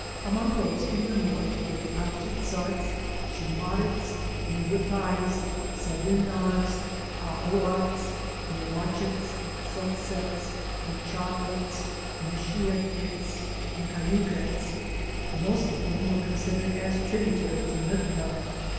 Among those from the North were the Ai tiz zarts, Schoo.mad it3, Neu wit ties, Savin nars, Ah owz arts, Mo watch its, Suth setts, Neu chad lits, Mich la its and Cay u quets; the most of whom were considered as tri butary to Nootka.